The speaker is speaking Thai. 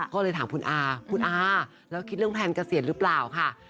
ก็เลยถามคุณอาคุณอาแล้วคิดเรื่องแพลนเกษียณหรือเปล่าค่ะ